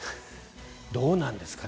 どうなんですかね？